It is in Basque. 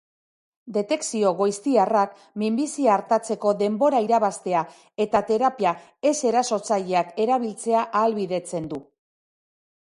Detekzio goiztiarrak minbizia artatzeko denbora irabaztea eta terapia ez erasotzaileak erabiltzea ahalbidetzen du.